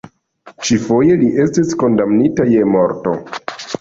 Ĉi-foje, li estis kondamnita je morto.